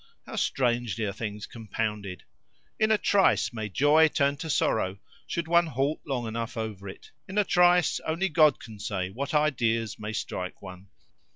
How strangely are things compounded! In a trice may joy turn to sorrow, should one halt long enough over it: in a trice only God can say what ideas may strike one.